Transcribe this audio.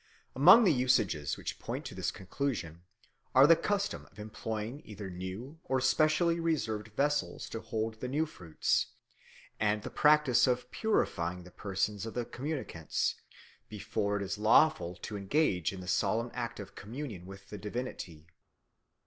Among the usages which point to this conclusion are the custom of employing either new or specially reserved vessels to hold the new fruits, and the practice of purifying the persons of the communicants before it is lawful to engage in the solemn act of communion with the divinity.